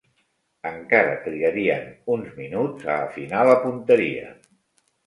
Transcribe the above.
Encara trigarien uns minuts a afinar la punteria.